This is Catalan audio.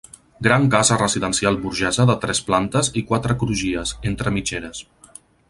Gran casa residencial burgesa de tres plantes i quatre crugies, entre mitgeres.